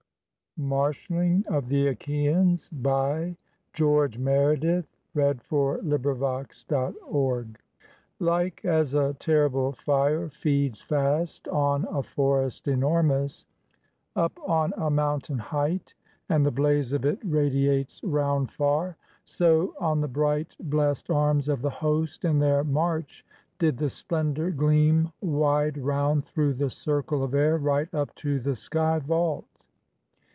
nour the flower of Achaians." MARSHALLING OF THE ACHAIANS ILIAD, B. II V. 455 LIKE as a terrible fire feeds fast on a forest enormous, Up on a mountain height, and the blaze of it radiates round far, So on the bright blest arms of the host in their march did the splendour Gleam wide round through the circle of air right up to the sky vault.